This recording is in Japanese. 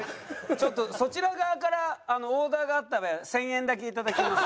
ちょっとそちら側からオーダーがあった場合は１０００円だけ頂きます。